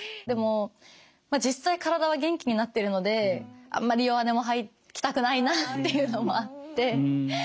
でも実際体は元気になってるのであんまり弱音も吐きたくないなっていうのもあって。